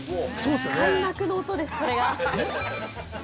開幕の音です、これが。